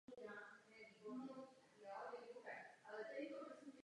Lidé vykonávající dočasnou práci také nemají skutečné sociální záruky.